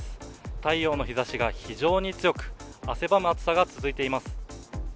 太陽の日ざしが非常に強く、汗ばむ暑さが続いています。